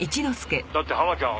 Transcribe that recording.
だってハマちゃん